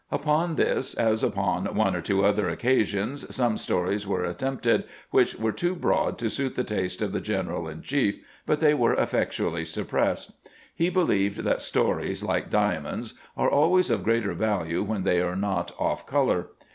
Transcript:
" Upon this, as upon one or two other occasions, some stories were attempted which were too broad to suit the taste of the general in chief, but they were effectually suppressed. He believed that stories, like 'diamonds, are always of greater value when they are not "off color."